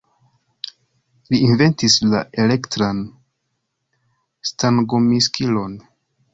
Li inventis la elektran stangomiksilon.